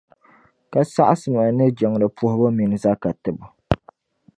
Ka saɣisi ma ni jiŋli puhibu mini zaka tibu